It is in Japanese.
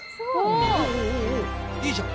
おおおいいじゃん。